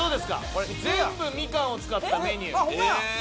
これ全部みかんを使ったメニューあっ